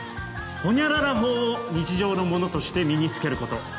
ホニャララ法を日常のものとして身に付けること。